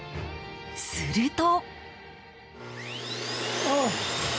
すると。